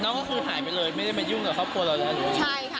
ก็คือหายไปเลยไม่ได้มายุ่งกับครอบครัวเรานะใช่ค่ะ